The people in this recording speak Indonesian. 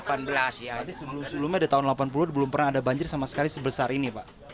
ini sebelumnya di tahun delapan puluh belum pernah ada banjir sama sekali sebesar ini pak